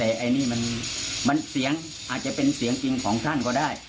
แต่ไอ้นี่มันเสียงอาจจะเป็นเสียงจริงของท่านก็ได้